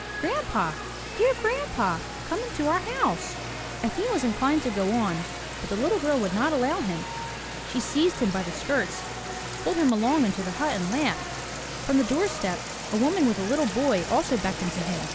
"Grandpa! Dear Grandpa! Come into our house!'' Efim was inclined to go on, but the little girl would not allow him. She seized him by the skirts, pulled him along into the hut and laughed. From the doorstep a woman with a little boy also beckoned to him.